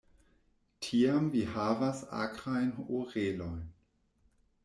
Tiam vi havas akrajn orelojn.